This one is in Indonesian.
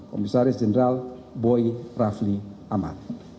komisaris jenderal boy rafli ahmad